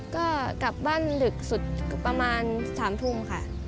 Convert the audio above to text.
ก็กลับบ้านดึกสุดประมาณ๓ทุ่มค่ะ